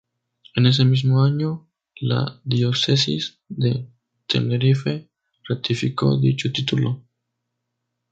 En ese mismo año la Diócesis de Tenerife ratificó dicho título.